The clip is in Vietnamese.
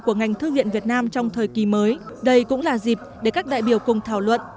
của ngành thư viện việt nam trong thời kỳ mới đây cũng là dịp để các đại biểu cùng thảo luận